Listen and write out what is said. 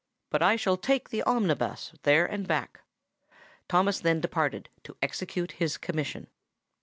But I shall take the omnibus there and back." Thomas then departed to execute his commission.